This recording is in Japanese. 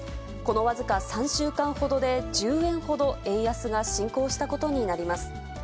この僅か３週間ほどで１０円ほど円安が進行したことになります。